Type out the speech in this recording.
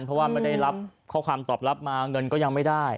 เพราะว่าไม่ได้รับข้อความตอบรับมาเงินก็ยังไม่ได้